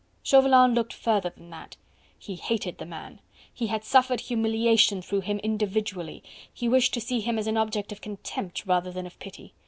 Chauvelin looked further than that. He hated the man! He had suffered humiliation through him individually. He wished to see him as an object of contempt rather than of pity.